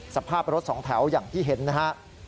สภาพรถสองแถวอย่างที่เห็นนะครับ